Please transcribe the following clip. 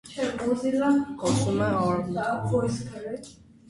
Հոսում է արևմուտքով։